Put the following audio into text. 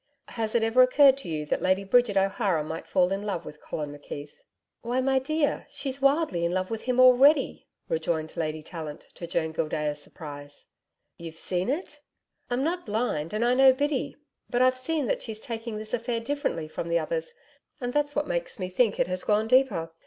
'Has it ever occurred to you that Lady Bridget O'Hara might fall in love with Colin McKeith?' 'Why, my dear, she's wildly in love with him already,' rejoined Lady Tallant, to Joan Gildea's surprise. 'You've seen it?' 'I'm not blind, and I know Biddy. But I've seen that she's taking this affair differently from the others, and that's what makes me think it has gone deeper.